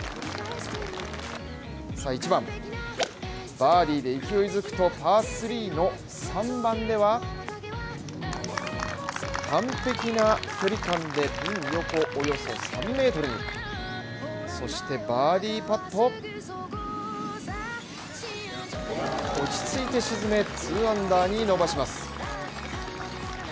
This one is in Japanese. バーディーで勢いづくとパー３の３番では、完璧な距離感で横およそ３ｍそしてバーディーパット落ち着いて沈め、２アンダーに伸ばします。